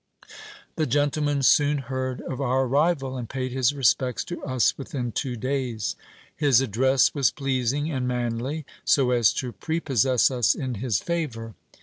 44Q GIL BLAS. The gentleman soon heard of our arrival, and paid his respects to us within two days. His address was pleasing and manly, so as to prepossess us in his favour.